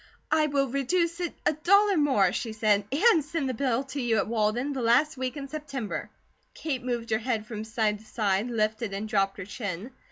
"I will reduce it a dollar more," she said, "and send the bill to you at Walden the last week of September." Kate moved her head from side to side, lifted and dropped her chin.